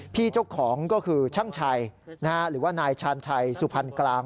พี่เจ้าของก็คือช่างชัยหรือว่านายชาญชัยสุพรรณกลาง